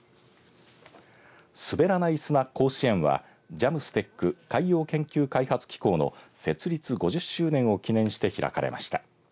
すべらない砂甲子園はＪＡＭＳＴＥＣ海洋研究開発機構の設立５０周年を記念して開かれました。